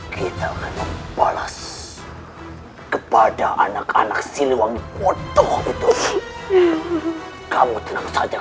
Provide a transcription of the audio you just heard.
kita akan membalas kepada anak anak wangir kepadamu kamu tenang saja kepadamu